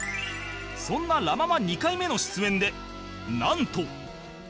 そんなラ・ママ２回目の出演でなんと